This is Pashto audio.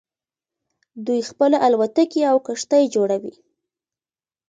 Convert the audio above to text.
دوی خپله الوتکې او کښتۍ جوړوي.